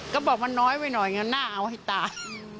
ก็บอกว่าน้อยไว้หน่อยหน้าเอาให้ต่าง